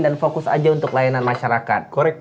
dan fokus aja untuk layanan masyarakat